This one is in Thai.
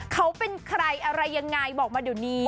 เขาเป็นใครอะไรยังไงบอกมาเดี๋ยวนี้